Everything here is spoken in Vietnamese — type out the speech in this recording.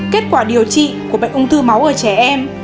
kết quả điều trị của bệnh ung thư máu ở trẻ em